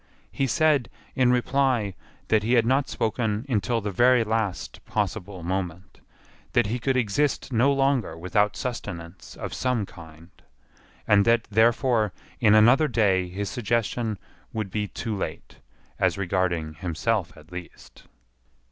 He said, in reply, that he had not spoken until the very last possible moment, that he could exist no longer without sustenance of some kind, and that therefore in another day his suggestion would be too late, as regarded himself at least.